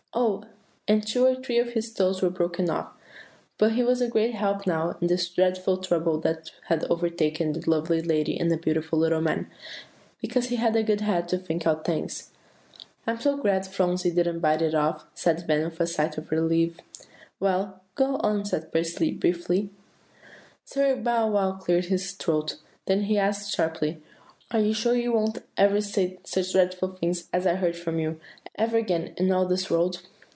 Oh! and two or three of his toes were broken off; but he was a great help now in this dreadful trouble that had overtaken the lovely lady and the beautiful little man, because he had a good head to think out things." "I am so glad Phronsie didn't bite it off," said Van with a sigh of relief. "Well, go on," said Percy briefly. "Sir Bow wow cleared his throat; then he asked sharply, 'Are you sure you won't ever say such dreadful things as I heard from you, ever again, in all this world?